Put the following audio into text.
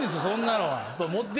そんなのは。